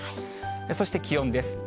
そして気温です。